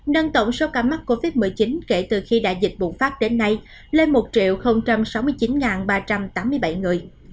nâng tổng số ca mắc covid một mươi chín kể từ khi đại dịch bùng phát đến nay lên một sáu mươi chín ba trăm tám mươi bảy người